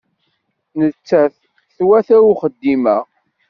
Nettat twata i uxeddim-a.